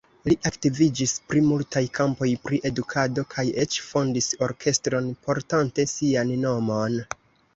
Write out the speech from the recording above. Li aktiviĝis pri multaj kampoj pri edukado kaj eĉ fondis orkestron portante sian nomon.